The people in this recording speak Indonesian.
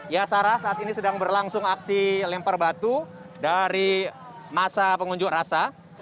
ya sarah saat ini sedang berlangsung aksi lempar batu dari masa pengunjuk rasa